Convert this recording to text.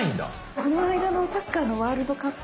この間のサッカーのワールドカップ？